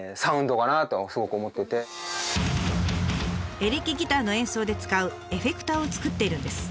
エレキギターの演奏で使うエフェクターをつくっているんです。